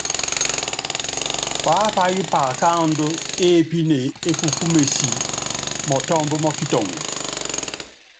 Paápayɔ́ paakándɔ́ épine é ku kúmesi mɔtɔ́mb mɔ́ kitɔŋ.